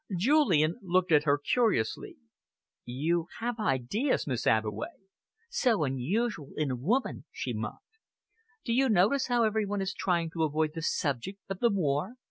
Julian looked at her curiously. "You have ideas, Miss Abbeway." "So unusual in a woman!" she mocked. "Do you notice how every one is trying to avoid the subject of the war?